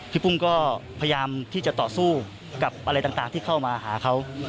ปุ้งก็พยายามที่จะต่อสู้กับอะไรต่างที่เข้ามาหาเขา